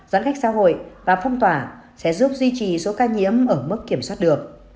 giãn cách xã hội và phong tỏa sẽ giúp duy trì số ca nhiễm ở mức kiểm soát được